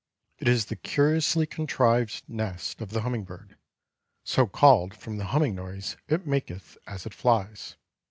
It is the curiously contrived nest of the Humming Bird, so called from the humming noise it maketh as it flies.